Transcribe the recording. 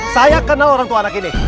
saya kenal orang tua anak ini